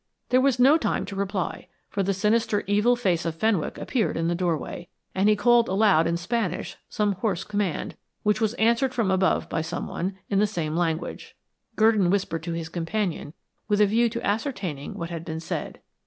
There was no time to reply, for the sinister evil face of Fenwick appeared in the doorway, and he called aloud in Spanish some hoarse command, which was answered from above by someone, in the same language. Gurdon whispered to his companion, with a view to ascertaining what had been said.